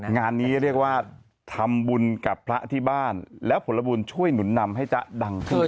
งานนี้เรียกว่าทำบุญกับพระที่บ้านแล้วผลบุญช่วยหนุนนำให้จ๊ะดังขึ้น